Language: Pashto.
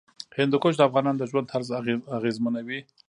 هندوکش د افغانانو د ژوند طرز اغېزمنوي.